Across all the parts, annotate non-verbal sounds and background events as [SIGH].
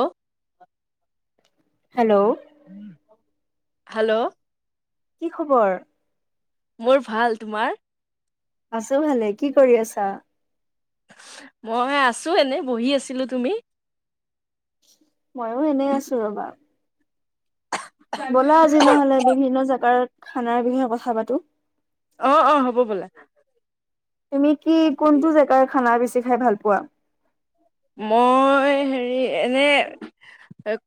অ'। Hello কি hello. কি খবৰ। মোৰ ভাল তোমাৰ। আছো ভালে কি কৰি আছা। মই আছোঁ এনে বহি আছিলো তুমি। ময়ো এনেই আছো ৰ'বা। ব'লা আজি নহ'লে বিভিন্ন জেগাৰ খানাৰ বিষয়ে কথা পাতো। অ' -অ' হ'ব ব'লা। তুমি কি কোনটো জেগাৰ খানা বেচি চি খাই ভাল পোৱা। মই হেৰি এনে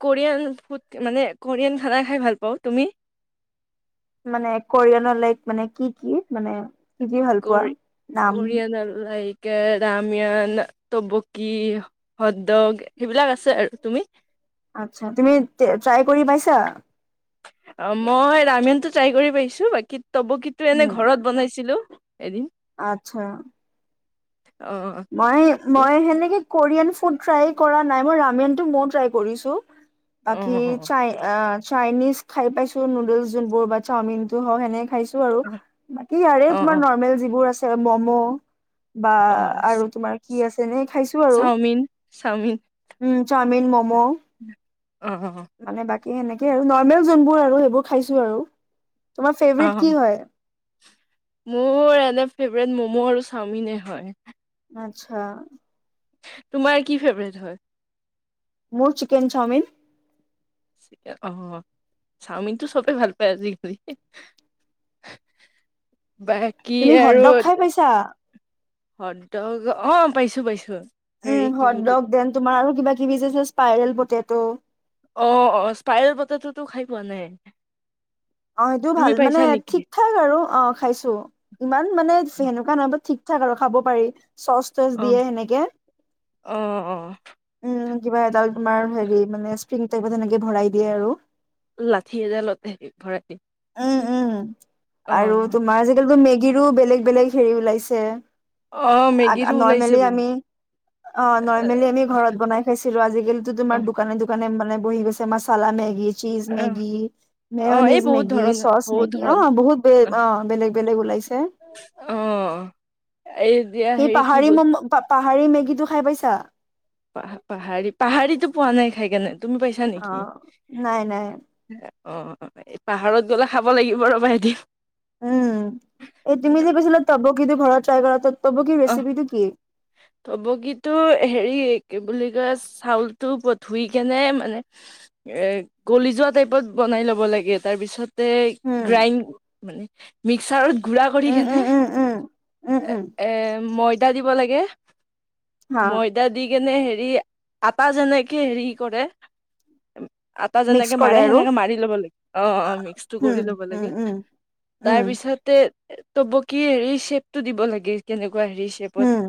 কোৰিয়ান ফুড মানে কোৰিয়ান খানা খাই ভাল পাওঁ, তুমি। মানে কোৰিয়ানৰ লাইক মানে কি-কি মানে কি-কি ভাল পোৱা নাম। এ ৰাময়ান, তবকি হট্ দগ সেইবিলাক আছে আৰু তুমি। আচ্ছা তুমি ট্ৰাই কৰি পাইছা। অ' মই ৰামেয়ন টো ট্ৰাই কৰি পাইছো বাকী তবকিটো এনে উম, ঘৰত বনাইছিলো। এদিন। আচ্ছা। অ মই- ত মই সেনেকে কোৰিয়ান ফুড ট্ৰাই কৰা নাই, মই ৰামিয়ানটো ময়ো ট্ৰাই কৰিছো। অ বাকি অ চাই অ' চাইনিজ খাই পাইছো, নুডলচ যোনবোৰ বা চাওমিন টো হওঁক সেনেকে খাইছ চো আৰু বাকি ইয়াৰে অ তোমাৰ নৰমেল যিবোৰ আছে ম'ম' বা অ অ আৰু তোমাৰ কি আছে নে খাইছো আৰু চাওমিন চাওমিন উম চাত মিন ম' ম'। অ অ মানে বাক এ এনেকে আৰু নৰ্মেল যোনবোৰ আৰু সেইবোৰ খাইছো আৰু। তোমাৰ ফেভৰেট অ কি হয়। মোৰ এনে ফেভৰেট মম' আৰু চাওমিনে হয়। আটচ্ছা। তোমাৰ কি ফেভৰেট হয়? মোৰ চিকেন চাওমিন। অ' চাওমিনটো চবে ভাল পায় আজিকালি। বাকী তুমি [UNINTELLIGIBLE] খাই পাইছা? হদ্ৰগ অ' পাইছো পাইছো। হেৰি উম কি বুলি হদ্ৰগ দেন তোমাৰ আৰু কিবা কিবি যে স্পাইৰেল পতেট। ত' অ', অ', স্পাইয়েল পতেতটো খাই পোৱা নাই। অ', সেইটো তুমি ভাল মানে পাইছা নেকি? ঠিক ঠাক আৰু অ', খাইছোঁ, ইমান মানে সেনেকুৱা না, বাত ঠিক ঠাক আৰু খাব পাৰি। চচ, তচ অ', দিয়ে সেনেকে। অ', অ', উম। কিবা এদাল- তোমাৰ হেৰি মানে [UNINTELLIGIBLE] তেনেকে ভৰাই দিয়ে আৰু। লাঠি এডালতে ভৰাই দিয়ে। উম, উম, আৰু তোমাৰ আজিকালিতো মে গিৰো বেলেগ, বেলেগ হেৰি ওলাইছে। অ', মেগীৰো ওলাইছে আ-নৰ্মেলি বহুত। আমি, অ', নৰ্মেলি আমি ঘৰত বনাই খাইছিলোঁ। আজিকালিতো তোমাৰ অ', দোকানে, দোকানে মানে বহি গৈছে মাচালা মেগী চিজ অ', মেগী, অ এই মেয়নিজ বহুত মেগ ধৰণ চচ বহুত মেগী, অ', ধৰণ বহুত বে-অ' বেলেগ, বেলেগ ওলাইছে। অ', এই এতিয়া [UNINTELLIGIBLE] হেৰি কি পাহাৰী বস্তু মম-পা পাহাৰী মেগীটো খাই পাইছা? পাহ-পাহাৰী, পাহাৰীতো পোৱা নাই খাই কেনে। তুমি পাইছা নেকি অ' নাই, নাই। অ' পাহাৰত গ'লে খাব লাগিব ৰ বা এদিন। উম' এই তুমি যে কৈছিলা তব কিন্তু ঘৰত- [UNINTELLIGIBLE] অ' ৰেচিপিটো কি তবকিতো হেৰি, কি বুলি- চাউলতটো ব ধুই কেনে মানে, এ গলি যোৱা টাইপত বনাই ল'ব লাগে, তাৰ পিছত- তে উম গ্ৰাইং মানে- মিক্সাৰত- গুৰা কৰি উম কেনে, উম উম উম উম উম এ' ময়দা দিব লাগে। হা ময়দা দিগ কেনে হেৰি, আটা যেনেকে হেৰি, কৰে। আটা মিক্স যেনেকে কৰে মাৰে, আৰু সেনেকে মাৰি ল'ব লাগে অ'-অ, মিক্স টো কৰি উম ল'ব উম লাগে, উম উম তাৰ পিছতে- তব কি হেৰি চেপতটো দিব লাগে। কেনেক- উম'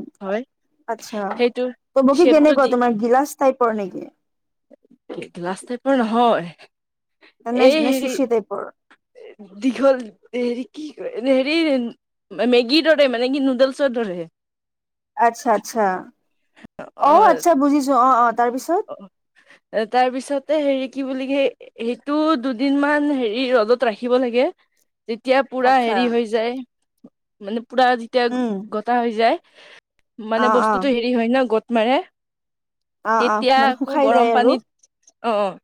আচ্ছা, সেইটো তম কি কেনে শ্বেপটো দি গ তোমাৰ গিলাস তাই পৰ নেকি? গিলাচ টাইপৰ নহয়। নে এই নে হেৰি চুচি টাইপৰ দীঘল। নেহেৰি কি কৰে মেগিৰে মানে নুডেল। চৈদৰে আচ্ছা-আচ্ছা। অ অহ আচ্ছা বুজিছো অহ-অহ তাৰপিছত। তাৰ পিছতে হেৰি কি বুলি ক সেইটো দুদিন মান হেৰি ৰ'দত ৰাখিব লাগে। তেতিয়া পুৰা আচ্ছা হেৰি হৈ যায়। মানে পূৰা যেতিয়া উম গটা হৈ যায়। অ মানে অ বস্তু হয় ন গত মাৰে। অ অ তেতিয়া মানে আকৌ শুকাই গৰম যায় আৰু পানীত অ',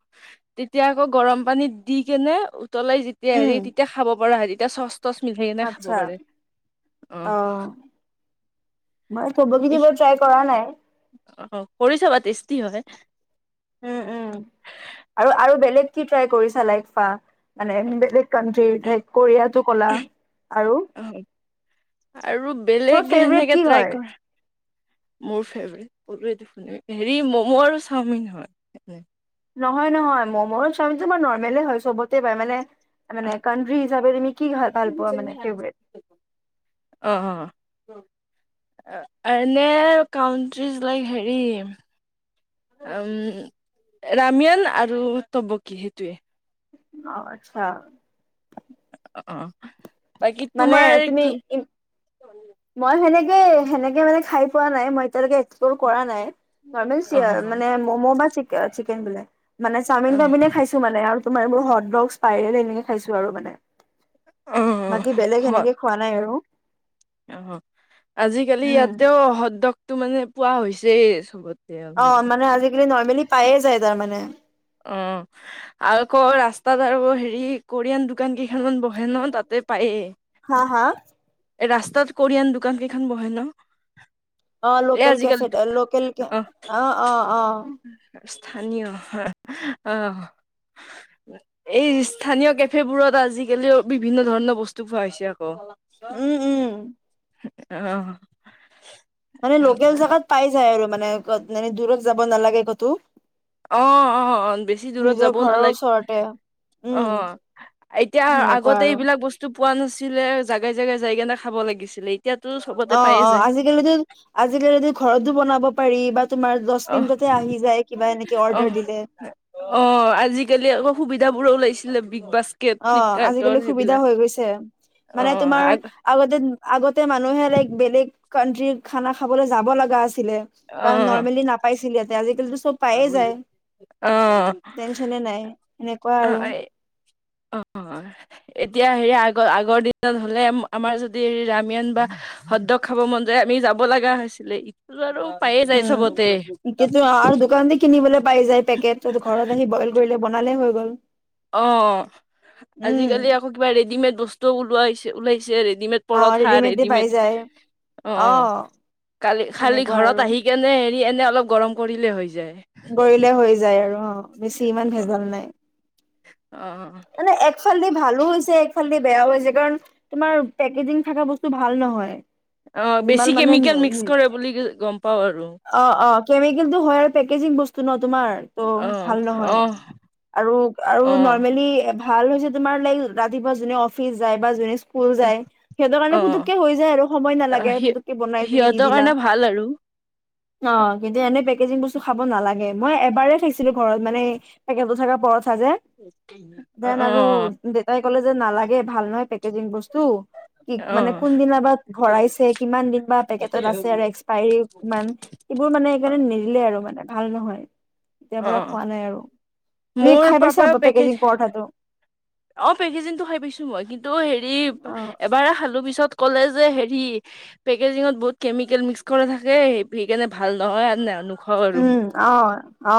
তেতিয়া আকৌ গৰম পানীত দি কেনে উতলাই যেতিয়া উম হেৰি তেতিয়া খাব পৰা হেৰিত তেয়া [UNINTELLIGIBLE] তছ মিলাই কেনে খাব আচ্ছা পাৰে অ', মই চবকু বা ট্ৰাই কৰা নাই। অ কৰি চাবা টেষ্টি হয়। উম-উম, আৰু-আৰু বেলেগ কি ট্ৰাই কৰিছা লাইফা মানে বেলেগ কানট্ৰি কোৰিয়াতটো কলা আৰু অ আৰু বেলেগ ত ফেভৰেট সেনেকে কি ট্ৰাই হয়? কৰা মোৰ ফেভৰেট কৈলুয়ে দেখুন হেৰি মমো আৰু চাওমিন হয় এনে। নহয়-নহয় মমোৰ চামাৰ নৰ্মেলে হয় চবতে পায় মানে। মানে কানট্ৰি যাব নেক [UNINTELLIGIBLE] অহ আৰু নে কাউন্ট্ৰিজ লাইক হেৰি উ ৰামিয়ান আৰু তবকি সেইটোৱে। অহ আচ্ছা। উ [UNINTELLIGIBLE] অ', অ', বাকী মানে তোমাৰ কি তুমি মই সেনেকে, সেনেকে মানে খাই পোৱা নাই, মই এতিয়ালৈকে এক্সপ্লৰ কৰা নাই। ন অ অ মানে মম' বা চিক চিকেন বিলাই মানে চাওমিন অ টাওমিন খাইছো মানে আৰু তোমাৰ মোৰ হট ডক্স পাইৰেল এনেকে খাইছো আৰু মানে অ বাকী বেলেগ হয় সেনেকে খোৱা নাই আৰু। অ', আজিকালি উম ইয়াতেও সদকটো মানে পোৱা হৈছে। যে সবত অ', মানে আজিকালি নৰ্মেলি পায়ে যায় তাৰমানে। অ', আৰু আকৌ ৰাস্তাত আৰু হেৰি কোৰিয়ান দোকান কি খেনত বহেন তাতে হা হা পায়েই। ৰাস্তাত কৰিয়ান দোকান কেইখন বহে ন। অ, এই লোকেল আজিকালি কেফে লোকেল কে অ অ', অ', অ'। স্থানীয় অ, এই স্থানীয় কেফে বোৰত আজিকালিও বিভিন্ন ধৰণৰ বস্তু পোৱা হৈছে আকৌ। উম উম। অ'। মানে লোকেল জগাত পাই যায় আৰু। মানে এনে দূৰত যাব নালাগে ক'তো অ অ বেছি দূৰত নিজৰ যাবও ঘৰৰ নালাগে ওচৰতে অ উম এতিয়া সেনেকুৱা আগতে আৰু এইবিলাক বস্তু পোৱা নাছিলে। জাই জেগাই জাইগা না খাব লাগিছিলে এতিয়াতো চবতে অ পায়ে অ যায় আজিকালিতো আজিকালিতো ঘৰতো বনাব পাৰি বা তোমাৰ দহ অহ মিনিটতে আহি যায় কিবা এনেকে অ অৰ্ডাৰ দিলে অ আজিকালি অকৌ সুবিধাবোৰো ওলাইছে। ল অ', আজিকালি সুবিধা হৈ গৈছে অ মানে তোমাৰ আগ আগতে আগতে মানুহে লাইক বেলেগ কাণ্ট্ৰি খানা খাবলৈ যাব লগা আছে। ছিলে অ কাৰণ নৰ্মেলি নাপাইছিলে। তেজি টো চব পায়ে যায় অ টেনচনে নাই সেনেকুৱা অ আৰু। অ, এতিয়া হেৰি আগৰ আগৰ দিনত হলে আমাৰ যদি হেৰি ৰাম্যান বা হত ডগ খাব মন যায় আমি যাব লগা হৈছিলে ইটো আৰু পায়ে যায় চবতে উম কি আৰু দোকানতে কিনিবলে পাই যায় পেকেট ত ঘৰত আহি বইল কৰিলে বনালে হৈ গল অ', উম আজিকালি আকৌ কিবা ৰেডিমেড বস্তু ওলাইছে ওলাইছে আৰু ৰেডিমেড অ পৰঠা ৰেডিমেডে পাই ৰেডিমেড যায় অ', কালি খালি সেনেকুৱা ঘৰত আৰু আহি কেনে নি এনে অলপ গৰম কৰিলেই হৈ যায়। কৰিলে হৈ যায় আৰু অ। বেছি ইমান ভেজাল নাই। অ। একফালে ভালো হৈছে, একফাল দি বেয়াও হৈছে কাৰণ তোমাৰ পেকেজিং থকা বস্তু ভাল নহয়। অ বেছি [UNINTELLIGIBLE] মানে কেমিকেল মিক্স কৰে বুলি গম পাওঁ আৰু অ', অ', কেমিকেলটো হয়, আৰু তোমাৰ পেকেজিং বস্তু, বস্তু ন তোমাৰ অ ভাল অ নহয়। আৰু অ নৰমেলি ভাল হৈছে তোমাৰ লাইক ৰাতিপুৱা যোনে অফিচ যায় বা যোনে কুল যায়‌, সিহঁতৰ কাৰনে পুটোকে অ হৈ যায় আৰু সময় নালাগে সি পুটোকে বনাই তুমি দি সিহঁতৰ দিলা। কাৰণে ভাল আৰু অ', কিন্তু এনেই পেকেজিং বস্তু খাব নালাগে, মই তোমাৰ এবাৰে খাইছি ঘৰত মানে পেকেটো থকাৰ [UNINTELLIGIBLE] স [INAUDIBLE] দেন আৰু দেতাই ক'লে যে, নালাগে ভাল নহ পেকেজিং বস্তু কি অ মানে কোনদিনা বা ভৰাইছে কিমান দিন বা পেকেটত আছে আৰু এক্সপায়ৰী কিমান সেইবোৰ মানে নিদিলে আৰু মানে ভাল নহয় তেতিয়া অ পৰা খোৱা নাই আৰু তুমি মোৰ খাই পাইছা? পাপাৰ বাপেকে পেকেজ যি অ', পেকেজিনটো খাই পাইছো মই কিন্তু হেৰি অ এবাৰ খালো পিছত ক'লে যে, হেৰি পেকেজিঙত বহুত কেমিকেল মিক্স কৰা থাকে সেইকাৰণে ভাল নহয় নো উম, অ। অ।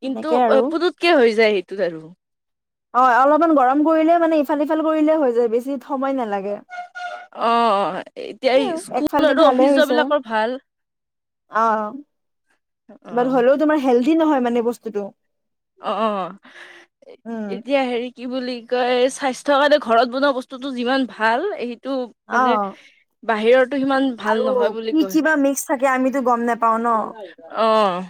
কিন্তু এনেকে আৰু পুতুতকে হৈ যায় সি [UNINTELLIGIBLE] অ', অলপমান গৰম কৰিলে মানে ইফাল সিফাল কৰিলে হৈ যায় বেছি সময় নালাগে অ', এতিয়া সেই আৰু ইস্কুল একফালদি আৰু ভালে অফিচ যোৱা হৈছে বিলাকৰ ভাল বাৰু হ'লেও তোমাৰ হেলথ নহয় মানে বস্তুটো অ', উম এতিয়া হেৰি কি বুলি কয় স্বাচ [UNINTELLIGIBLE] ঘৰত বনোৱা বস্তুটো যিমান ভাল এই টো মানে অ বাহিৰতো সিমান ভাল আৰু নহয় বুলি কি কয় কি বা মিক্স থাকে আমিতো গম নোপাও ন অ',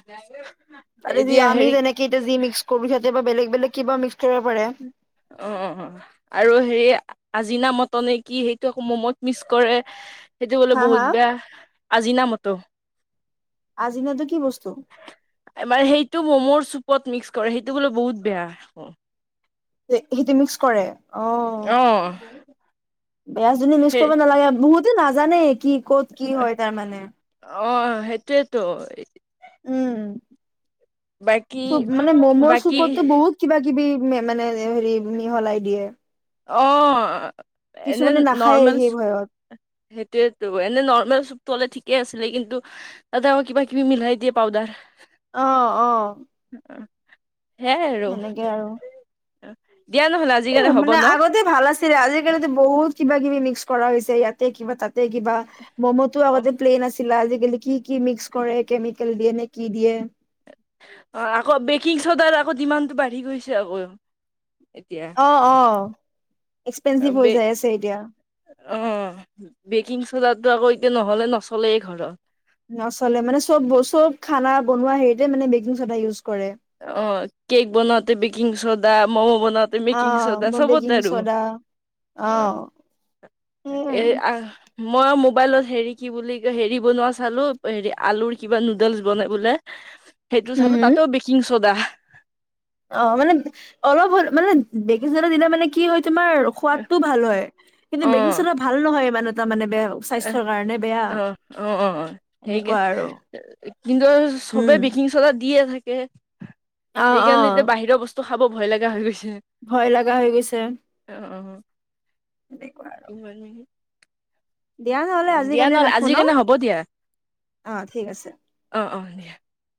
এতিয়া হেৰি [UNINTELLIGIBLE] বৰ বেলেগ বেলেগ কিবা কৰিব পাৰে অ অ আৰু হে আজিনা মতনে কি কৌ ম'মত মিচ কৰে সেইটো বোলে হা বহুত হা বেয়া আজিনা মতু আজিনাটো কি বস্তু এবাৰ সেইটো মমৰ চুপ পত মিক্স কৰে সেইটো বোলে বহুত বেয়া অ সেইটো মিক্স কৰে? অ অ বেয়াজনী মিক্স সেই কৰিব নালাগে বহুত টো নাজানে কি ক'ত কি হয় তাৰমানে, অ সেইটোৱেইটো, উম। বাকী চুপ মানে ম'মোৰ বাকী চুপততো বহুত কিবা কিবি মে মানে হেৰি মিহলাই দিয়ে, অ, এনে কিছুমানে নাখায়ে নৰ্মেলচ সেই ভয়ত সেইটোৱেটো এনে নৰ্মেল চুপটো হ'লে ঠিক ঠিকে আছিলে কিন্তু তাতে আকৌ কিবা কিবি মিলাই দিয়ে পাউদাৰ। অ অ উ [INAUDIBLE] হে'য়াই আৰু, সেনেকে আৰু উহ। দিয়া নহ'লে আজি কাৰণে মানে হব ন। আগতে ভাল আছিলে আজিকালিতো বহুত। কিবা কিবি মিক্স কৰা হৈছে ইয়াতে কিবা তাক। যে কিবা ম'ম'তো অঁ আগতে প্লেন আছি। ছিলে আজি কালি কি কি মিক্স কৰে কেমিকেল দিয়ে নে কি দিয়ে। অহ আকৌ বেকিং চ'দাৰ আকৌ ডিমানটো বাঢ়ি গৈছে আকৌ। এতিয়া অ', অ'। অ এক্সপেঞ্চিভ হৈ বে যাই আছে এতিয়া অহ বেকিং চদা। এইটো আকৌ এতিয়া নহলে নচলেই ঘৰত। নচলে মানে চব চব খানা বনোৱা হেৰিতে মানে বেকিং চদা ইউজ কৰে। অহ কেক বনাওতে বেকিং চদা ম'ম বন। বনাওতে অ বেকিং চদা মই চবতে বেকিং আৰু চ'ডা অ অহ সেই এ আৰু আ। মই মোবাইলত হেৰি কি বুলি হেৰি বনোৱা চালোঁ হেৰি আলুৰ কিবা নুডলছ বনাই বোলে। সেইটো হুম, চালোঁ হুম। তাতেও বেকিং। চ দা [INAUDIBLE] অ' মানে অলপ হল মানে বেকিং চদা দিলে মানে কি হয় তোমাৰ সোৱাদ টোও ভাল হয়, কিন্তু বেকিং চডা ভাল নহয় মানে। ত মানেব এহ অ অ অ অ সেইকে এনেকুৱা আৰু কিন্তু চবে উম। বেকিং চদা দিয়ে থাক কে। অ অ সেইকাৰণে এতিয়া বাহিৰৰ বস্তু খা খাব ভয় লগা হৈ গৈছ ভয় লগা হৈ গৈছে। অ', এনেকুৱা আৰ। কিমান মিনিট দিয়া নহলে আজি দিয়া কাৰণে নহ'লে ৰাখো আজিৰ ন, কাৰণে হ'ব দিয়া অ ঠিক আছে। [UNINTELLIGIBLE]